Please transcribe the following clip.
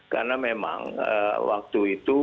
karena memang waktu itu